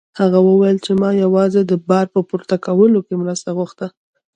هغه وویل چې ما یوازې د بار په پورته کولو کې مرسته غوښته.